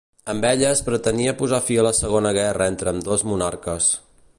Amb ella es pretenia posar fi a la segona guerra entre ambdós monarques.